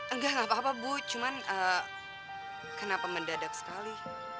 enggak enggak apa apa bu cuman kenapa mendadak sekali